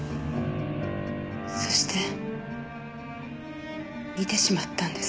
そして見てしまったんです。